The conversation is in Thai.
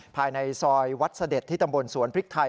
ภายในซอยวัดเสด็จที่ตำบลสวนพริกไทย